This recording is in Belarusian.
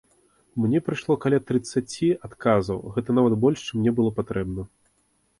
Мне прыйшло каля трыццаці адказаў, гэта нават больш, чым мне было патрэбна.